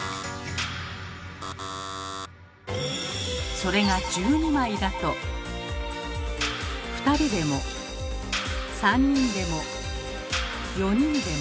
それが１２枚だと２人でも３人でも４人でも。